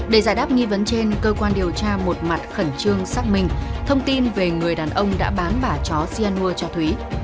để giải đáp nghi vấn trên cơ quan điều tra một mặt khẩn trương xác minh thông tin về người đàn ông đã bán bà chó cyanmua cho thúy